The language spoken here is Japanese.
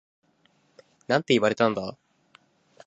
なんて言われたんだ？